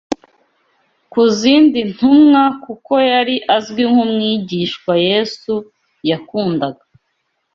ku zindi ntumwa kuko yari azwi nk’ “umwigishwa Yesu yakundaga